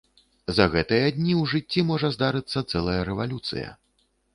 За гэтыя дні ў жыцці можа здарыцца цэлая рэвалюцыя!